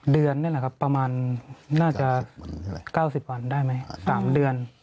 เดือนนี่แหละครับประมาณน่าจะ๙๐วันได้ไหม๓เดือน